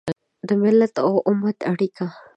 د ملت او امت اړیکه